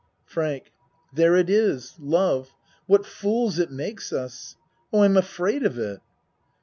FRANK There it is! Love! What fools it makes us. Oh, I'm afraid of it!